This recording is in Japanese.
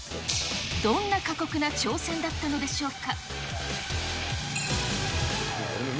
どんな過酷な挑戦だったのでしょうか。